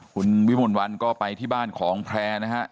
คุณวิมลวันก็ไปที่บ้านของแพร่นะฮะ